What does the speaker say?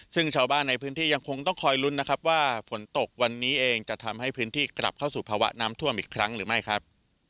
ซึ่งชาวบ้านในพื้นที่ยังคงต้องคอยลุ้นนะครับว่าฝนตกวันนี้เองจะทำให้พื้นที่กลับเข้าสู่ภาวะน้ำท่วมอีกครั้งหรือไม่ครับ